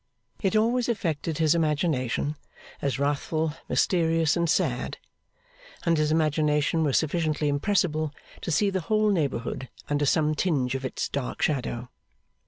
It always affected his imagination as wrathful, mysterious, and sad; and his imagination was sufficiently impressible to see the whole neighbourhood under some tinge of its dark shadow.